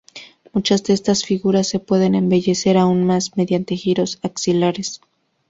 Muchas de estas figuras se pueden embellecer aún más mediante giros axilares.